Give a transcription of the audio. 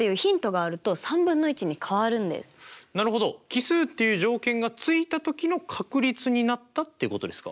奇数っていう条件が付いた時の確率になったっていうことですか。